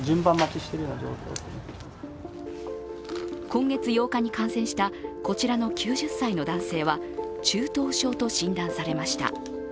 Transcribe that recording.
今月８日に感染したこちらの９０歳の男性は、中等症と診断されました。